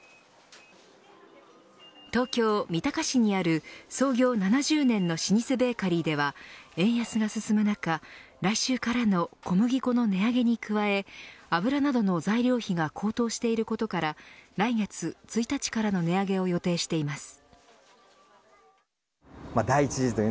東京、三鷹市にある創業７０年の老舗ベーカリーでは円安が進む中来週からの小麦粉の値上げに加え油などの材料費が高騰していることから来月１日からの値上げを予定しています。